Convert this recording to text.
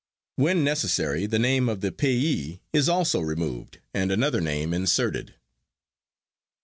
When necessary the name of the payee is also removed and another name inserted.